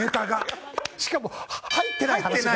しかも入ってない話が。